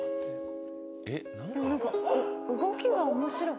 何か動きが面白い。